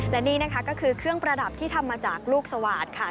และนี่นะคะก็คือเครื่องประดับที่ทำมาจากลูกสวาสตร์ค่ะ